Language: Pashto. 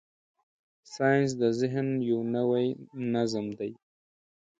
ساینس د ذهن یو نوی نظم دی.